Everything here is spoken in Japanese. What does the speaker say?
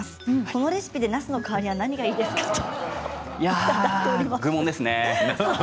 このレシピでなすの代わりは何がいいですかと。